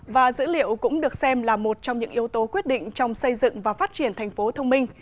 và dữ liệu cũng được xem là một trong những yếu tố quyết định trong xây dựng và phát triển thành phố thông minh